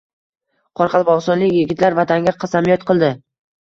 Qoraqalpog‘istonlik yigitlar Vatanga qasamyod qildi